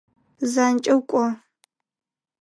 Занкӏэу кӏо!